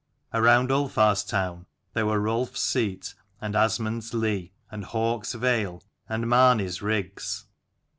Around Ulfar's town there were Rolf's seat, and Asmund's lea, and Hauk'svale, and Mani's riggs.